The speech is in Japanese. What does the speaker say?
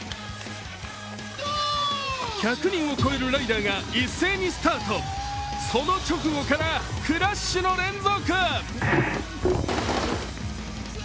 １００人を超えるライダーが一斉にスタート、その直後からクラッシュの連続！